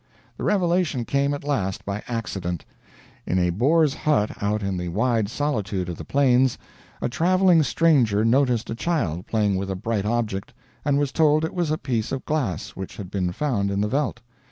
The revelation came at last by accident. In a Boer's hut out in the wide solitude of the plains, a traveling stranger noticed a child playing with a bright object, and was told it was a piece of glass which had been found in the veldt.